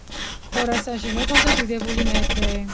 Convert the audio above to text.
ხორასანში მეფობდა დიდებული მეფე